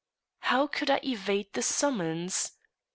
How could I evade the summons?